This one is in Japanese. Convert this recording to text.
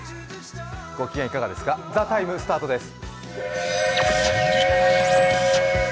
ご機嫌いかがですか「ＴＨＥＴＩＭＥ，」スタートです。